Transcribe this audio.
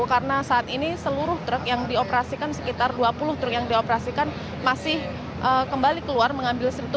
karena saat ini seluruh truk yang dioperasikan sekitar dua puluh truk yang dioperasikan masih kembali keluar mengambil sirto